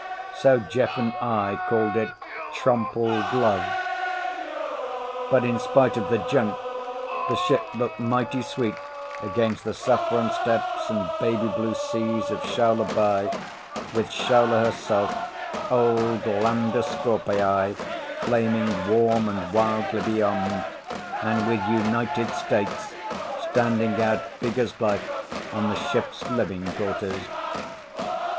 So Jeff and I called it Trompled Love. But in spite of the junk, the ship looked mighty sweet against the saffron steppes and baby blue seas of Shaula by with Shaula herself, old Lambda Scorpii, flaming warm and wildly beyond, and with "United States" standing out big as life on the ship's living quarters.